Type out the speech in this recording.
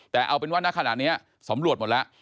แต่เอาเป็นว่าณขณะนี้สำรวจหมดแล้ว